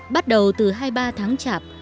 bắt đầu từ hai ba tháng chạp